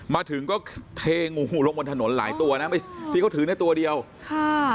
มาถึงก็เทงูลงบนถนนหลายตัวนะไม่ใช่ที่เขาถือในตัวเดียวค่ะ